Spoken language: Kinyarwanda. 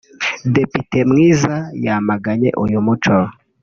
Depite Mwiza yamaganye uyu muco